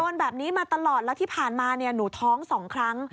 โดนแบบนี้มาตลอดแล้วที่ผ่านมาเนี่ยหนูท้อง๒ครั้ง